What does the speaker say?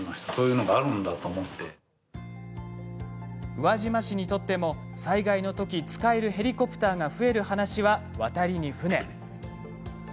宇和島市にとっても災害のとき使えるヘリコプターが増える話は、渡りに船。